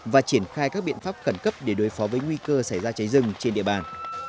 và triển khai các biện pháp khẩn cấp để đối phó với nguy cơ xảy ra cháy rừng trên địa bàn